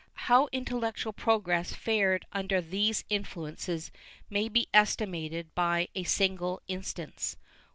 How intellectual progress fared under these influences may be estimated by a single instance.